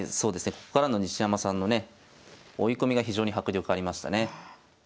ここからの西山さんのね追い込みが非常に迫力ありましたね。